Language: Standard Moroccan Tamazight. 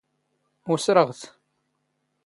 ⵓⵙⵔⵖ ⵜ.